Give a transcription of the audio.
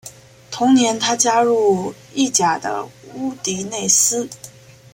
同年他加入意甲的乌迪内斯。